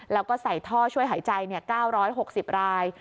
แล้วก็ใส่ท่อช่วยหายใจ๙๖๐ราย